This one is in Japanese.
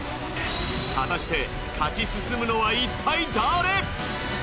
果たして勝ち進むのはいったい誰？